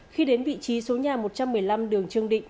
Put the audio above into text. khi đến vị trí số nhà một trăm một mươi năm đường trương định